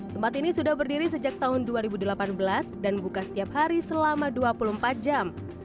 tempat ini sudah berdiri sejak tahun dua ribu delapan belas dan buka setiap hari selama dua puluh empat jam